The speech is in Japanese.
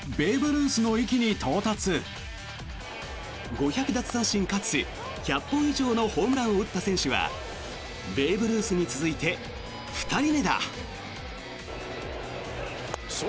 ５００奪三振かつ１００本以上のホームランを打った選手はベーブ・ルースに続いて２人目だ。